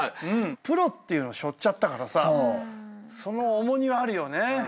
プロっていうのをしょっちゃったからさその重荷はあるよね。